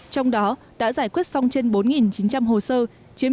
trong đó đã giải quyết xong trên bốn chín trăm linh hồ sơ chiếm chín mươi bốn sáu mươi năm